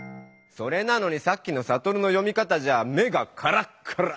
それなのにさっきのサトルの読み方じゃ目がカラッカラ！